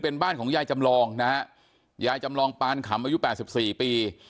เป็นบ้านของยายจำลองนะฮะยายจำลองปานขำอายุ๘๔ปี